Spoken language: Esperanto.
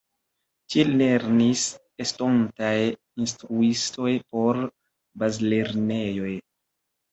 Tie lernis estontaj instruistoj por bazlernejoj.